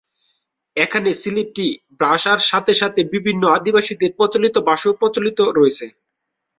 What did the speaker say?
এখানে সিলেটি ভাষার সাথে সাথে বিভিন্ন আদিবাসীদের প্রচলিত ভাষাও প্রচলিত রয়েছে।